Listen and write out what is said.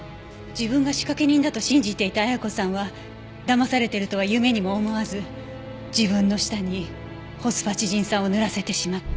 自分が仕掛け人だと信じていた綾子さんはだまされているとは夢にも思わず自分の舌にホスファチジン酸を塗らせてしまった。